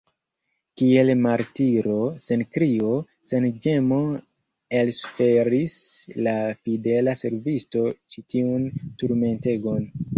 Kiel martiro, sen krio, sen ĝemo elsuferis la fidela servisto ĉi tiun turmentegon.